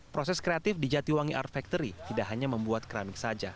proses kreatif di jatiwangi art factory tidak hanya membuat keramik saja